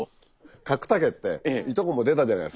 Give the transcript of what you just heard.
角田家っていとこも出たじゃないですか。